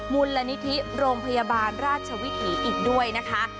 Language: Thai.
มูลนิธิโรงพยาบาลราชวิถีอีกด้วยนะคะ